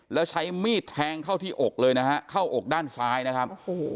แล้วใช้มีดแทงเข้าที่อกเลยนะฮะเข้าอกด้านซ้ายนะครับโอ้โห